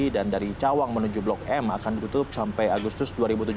dan dari cawang menuju blok m akan ditutup sampai agustus dua ribu tujuh belas